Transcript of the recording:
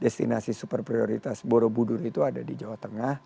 destinasi super prioritas borobudur itu ada di jawa tengah